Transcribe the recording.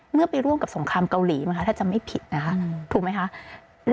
เมื่อไปร่วมกับสงครามเกาหลีถ้าจะไม่ผิดนะคะถูกไหมคะ